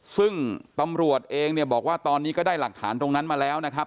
ซึ่งตำรวจเองเนี่ยบอกว่าตอนนี้ก็ได้หลักฐานตรงนั้นมาแล้วนะครับ